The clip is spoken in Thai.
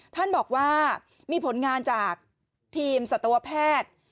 ท่านบอกว่ามีผลงานจากทีมสัตวแพทย์